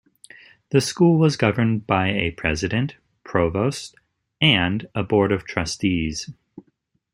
The school was governed by a president, provost and a Board of Trustees.